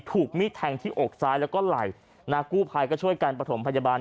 ถูกมีดแทงที่อกซ้ายแล้วก็ไหล่นากู้ภัยก็ช่วยกันประถมพยาบาล